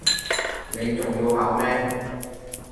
你仲要考咩